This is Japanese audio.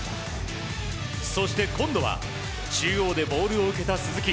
そして、今度は中央でボールを受けた鈴木。